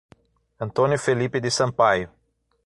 Antônio Felipe de Sampaio